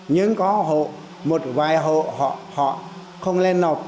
nhưng có một vài họ họ không lên nộp